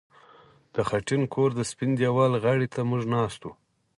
د خټین کور د سپین دېوال غاړې ته موږ ناست وو